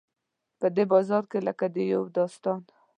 په دې بازار کې لکه د یو داستان.